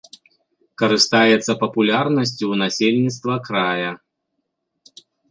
Карыстаецца папулярнасцю ў насельніцтва края.